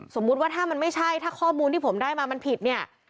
สมมุติว่าถ้ามันไม่ใช่ถ้าข้อมูลที่ผมได้มามันผิดเนี่ย